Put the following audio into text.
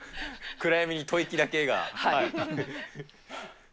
暗闇に吐息だけが。